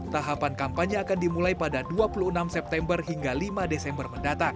tahapan kampanye akan dimulai pada dua puluh enam september hingga lima desember mendatang